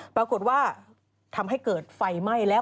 ปรากฏว่าทำให้เกิดไฟไหม้แล้ว